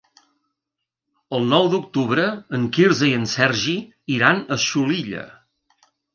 El nou d'octubre en Quirze i en Sergi iran a Xulilla.